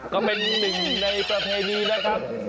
ก็เป็นหนึ่งในประเพณีนะครับ